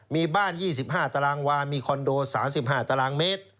มีบ้าน๒๕ตารางวามีคอนโด๓๕ตารางเมตร